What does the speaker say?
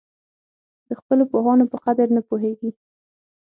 د خپلو پوهانو په قدر نه پوهېږي.